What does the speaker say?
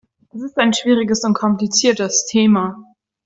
Das ist ein schwieriges und kompliziertes Thema.